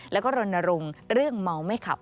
แล้วก็รณรงค์เรื่องเมาไม่ขับ